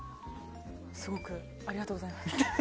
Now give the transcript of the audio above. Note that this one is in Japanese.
すごくありがとうございます。